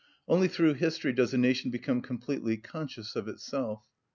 Only through history does a nation become completely conscious of itself.